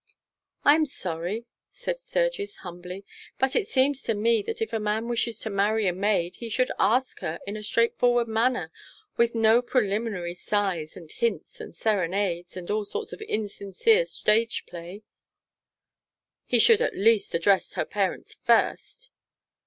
"I am sorry," said Sturgis humbly. "But it seems to me that if a man wishes to marry a maid he should ask her in a straightforward manner, with no preliminary sighs and hints and serenades and all sorts of insincere stage play. "He should at least address her parents first."